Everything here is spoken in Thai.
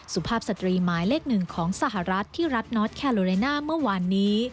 สุภาพสตรีหมายเลขหนึ่งของสหรัฐที่รัฐนอสแคโลเลน่าเมื่อวานนี้